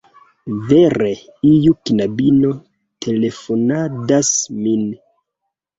Vere, iu knabino telefonadas min